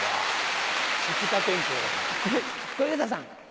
小遊三さん。